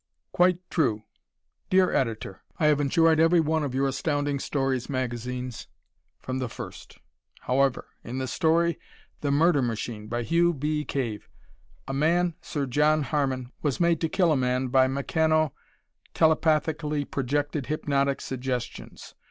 Quite True Dear Editor: I have enjoyed every one of your Astounding Stories magazines from the first. However, in the story, "The Murder Machine," by Hugh B. Cave, a man, Sir John Harman, was made to kill a man by meccano telepathically projected hypnotic suggestions.